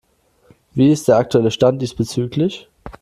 Wie ist der aktuelle Stand diesbezüglich?